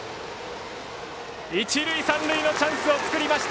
一塁三塁のチャンスを作りました